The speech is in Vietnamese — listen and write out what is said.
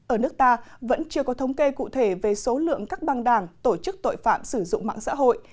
ở nước ta vẫn chưa có thống kê cụ thể về số lượng các băng đảng tổ chức tội phạm sử dụng mạng xã hội